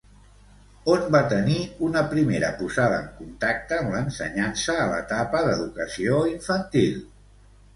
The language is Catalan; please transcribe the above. On va tenir una primera posada en contacte amb l'ensenyança a l'etapa d'educació infantil?